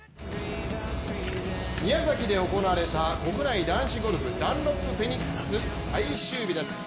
宮崎で行われた国内男子ゴルフダンロップフェニックス最終日です。